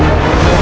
kau akan dihukum